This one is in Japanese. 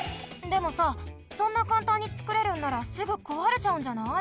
でもさそんなかんたんにつくれるんならすぐこわれちゃうんじゃない？